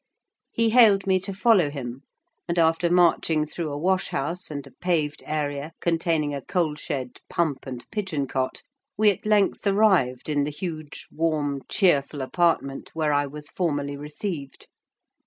He hailed me to follow him, and, after marching through a wash house, and a paved area containing a coal shed, pump, and pigeon cot, we at length arrived in the huge, warm, cheerful apartment where I was formerly received.